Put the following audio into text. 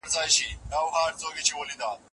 انټرنيټ موږ ته نړۍ په یو کوچني کلي بدله کړې.